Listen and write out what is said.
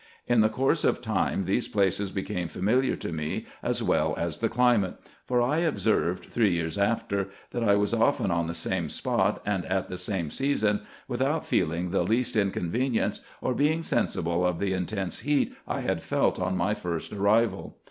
In the course of time these places became familiar to me, as well as the climate ; for I observed, three years after, that I was often on the same spot, and at the same season, without feeling the least inconvenience, or being sensible of the intense heat I had felt on my first arrival.